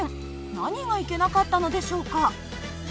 何がいけなかったのでしょうか？